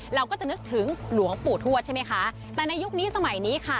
เราก็จะนึกถึงหลวงปู่ทวดใช่ไหมคะแต่ในยุคนี้สมัยนี้ค่ะ